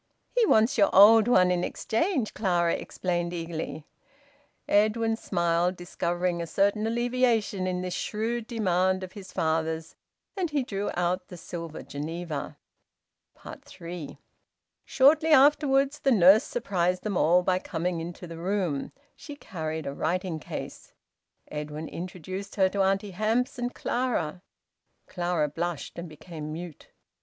"He wants your old one in exchange," Clara explained eagerly. Edwin smiled, discovering a certain alleviation in this shrewd demand of his father's, and he drew out the silver Geneva. THREE. Shortly afterwards the nurse surprised them all by coming into the room. She carried a writing case. Edwin introduced her to Auntie Hamps and Clara. Clara blushed and became mute.